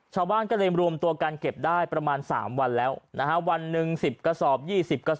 ชาวว่างก็ได้รวมตัวการเก็บได้ประมาณ๓วันแล้วนะฮะวันหนึ่ง๑๐กศพ๒๐